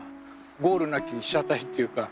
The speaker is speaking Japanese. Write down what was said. ゴールなき被写体っていうか。